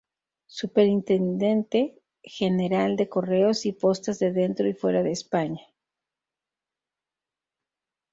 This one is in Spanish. Superintendente general de Correos y Postas de dentro y fuera de España.